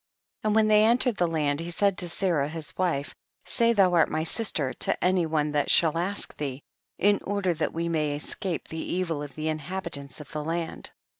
2. And when they entered the land he said to Sarah his wife, say thou art my sister, to any one that shall ask thee, in order that we may es cape the evil of the inhabitants of the land.